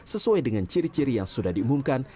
sesuai dengan ciri ciri yang sudah diumumkan